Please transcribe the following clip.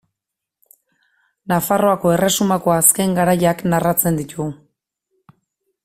Nafarroako erresumako azken garaiak narratzen ditu.